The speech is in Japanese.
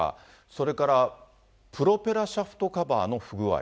それからプロペラシャフトカバーの不具合。